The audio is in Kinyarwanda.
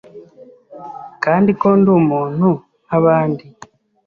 kandi ko ndi umuntu nk’abandi